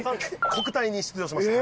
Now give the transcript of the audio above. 国体に出場しました。